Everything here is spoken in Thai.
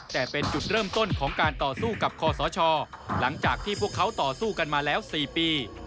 แต่เป็นจุดเริ่มต้นของการต่อสู้กับคอสชหลังจากที่พวกเขาต่อสู้กันมาแล้ว๔ปี